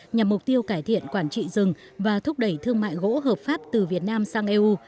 nhằm mục tiêu cải thiện quản trị rừng và thúc đẩy thương mại gỗ hợp pháp từ việt nam sang eu